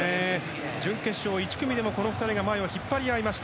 準決勝１組でも２人が引っ張り合いました。